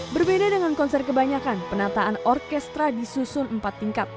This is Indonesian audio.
berbeda dengan konser kebanyakan penataan orkestra disusun empat tingkat